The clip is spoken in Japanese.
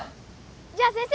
じゃあ先生。